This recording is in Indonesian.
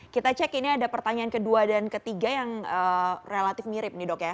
kita cek ini ada pertanyaan kedua dan ketiga yang relatif mirip nih dok ya